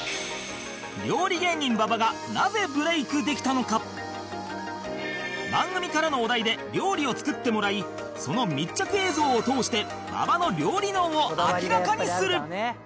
料理芸人馬場が番組からのお題で料理を作ってもらいその密着映像を通して馬場の料理脳を明らかにする！